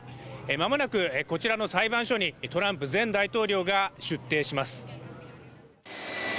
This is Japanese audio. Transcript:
間もなく、こちらの裁判所にトランプ前大統領が出廷します。